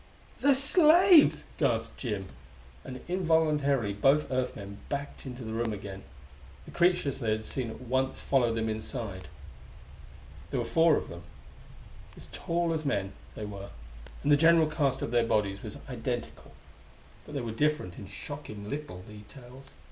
"The slaves!" gasped Jim, and involuntarily both Earth men backed into the room again. The creatures they had seen at once followed them inside. There were four of them. As tall as men, they were, and the general cast of their bodies was identical. But they were different in shocking little details.